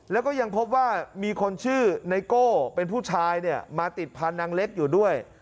แล้วก็ยังพบว่ามีคนชื่อไนโก้เป็นผู้ชายเนี่ยมาติดพันธุนางเล็กอยู่ด้วย